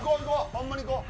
ホンマにいこう。